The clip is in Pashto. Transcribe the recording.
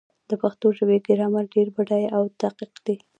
د پښتو ژبې ګرامر ډېر بډایه او دقیق دی.